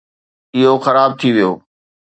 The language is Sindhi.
اهو خراب ٿي ويو.